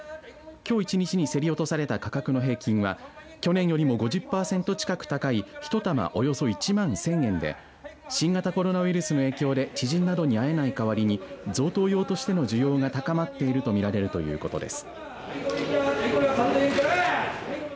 きょう１日に競り落とされた価格の平均は去年よりも５０パーセント近く高い１玉およそ１万１０００円で新型コロナウイルスの影響で知人などに会えないかわりに贈答用としての需要が高まっているとみられるということです。